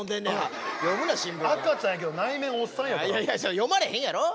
読まれへんやろ。